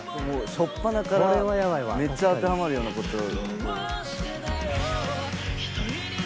初っぱなからめっちゃ当てはまるような事を。